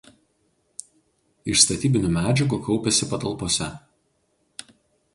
Iš statybinių medžiagų kaupiasi patalpose.